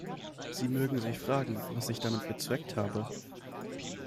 Sie mögen sich fragen, was ich damit bezweckt habe.